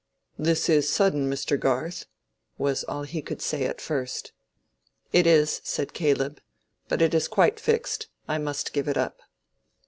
"This is sudden, Mr. Garth," was all he could say at first. "It is," said Caleb; "but it is quite fixed. I must give it up."